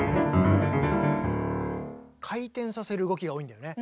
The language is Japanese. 回転させる動きが多いんだよね。